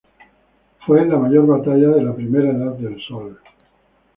Fue la mayor batalla de la Primera Edad del Sol.